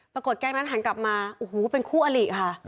แก๊งนั้นหันกลับมาโอ้โหเป็นคู่อลิค่ะ